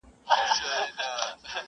ريشا زموږ د عاشقۍ خبره ورانه سوله.